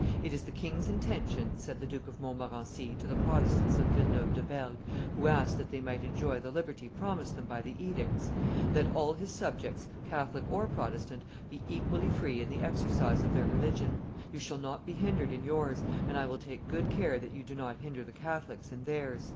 "It is the king's intention," said the Duke of Montmorency to the Protestants of Villeneuve de Berg, who asked that they might enjoy the liberty promised them by the edicts, "that all his subjects, Catholic or Protestant, be equally free in the exercise of their religion; you shall not be hindered in yours, and I will take good care that you do not hinder the Catholics in theirs."